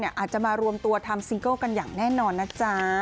อาจจะมารวมตัวทำซิงเกิลกันอย่างแน่นอนนะจ๊ะ